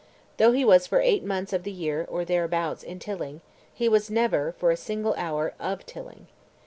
Though he was for eight months of the year, or thereabouts, in Tilling, he was never, for a single hour, OF Tilling.